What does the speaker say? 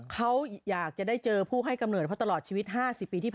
เราทำรายการต่อไปได้